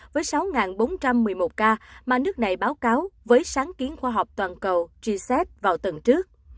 với sáu bốn trăm một mươi một ca mà nước này báo cáo với sáng kiến khoa học toàn cầu gsep vào tuần trước